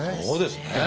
そうですね。